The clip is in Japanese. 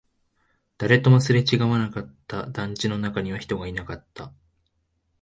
誰ともすれ違わなかった、団地の中には人がいなかった